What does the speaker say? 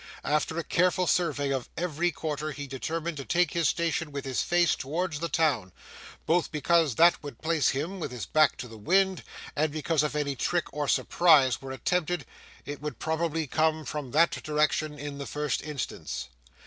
After a careful survey of every quarter he determined to take his station with his face towards the town; both because that would place him with his back to the wind, and because, if any trick or surprise were attempted, it would probably come from that direction in the first instance.